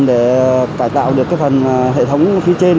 để cải tạo được cái phần hệ thống phía trên